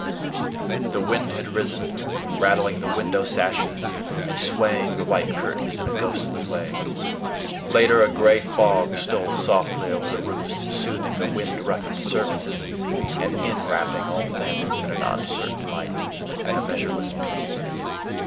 The wind had risen, rattling the window sashes and swaying the white curtains in a ghostly way. Later, a gray fog stole softly over the roofs, soothing the wind roughened surfaces, and in wrapping all things in an uncertain light and a measureless peace.